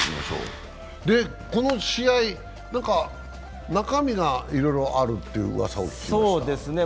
この試合、中身がいろいろあるってうわさを聞きましたが。